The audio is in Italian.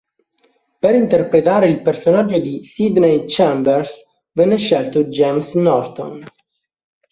Per interpretare il personaggio di Sidney Chambers venne scelto James Norton.